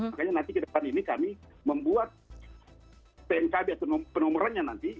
makanya nanti kita akan ini kami membuat tnk biasa penumerannya nanti